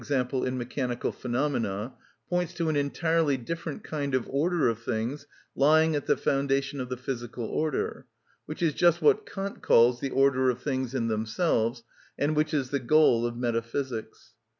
_, in mechanical phenomena, points to an entirely different kind of order of things lying at the foundation of the physical order, which is just what Kant calls the order of things in themselves, and which is the goal of metaphysics.